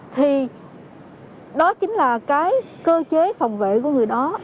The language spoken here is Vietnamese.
thì đó chính là cái cơ chế phòng vệ của người đó